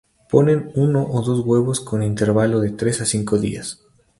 Ponen uno o dos huevos, con intervalo de tres a cinco días.